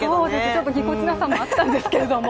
ちょっと、ぎこちなさもあったんですけれども。